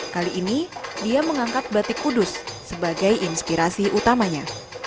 kali ini dia mengangkat batik kudus sebagai inspirasi utamanya